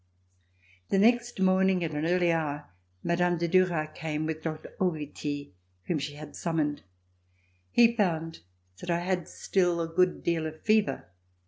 The next morn ing at an early hour, Mme. de Duras came with Doctor Auvity whom she had summoned. He found that I still had a good deal of fever.